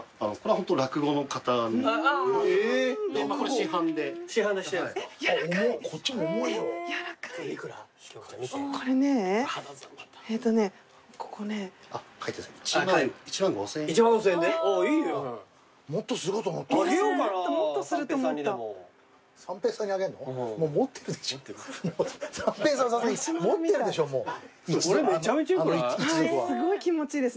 はいすごい気持ちいいです。